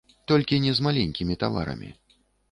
Толькі не з маленькімі таварамі.